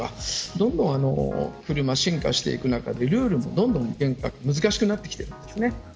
どんどん車は進化していく中でルールも、どんどん難しくなってきているんです。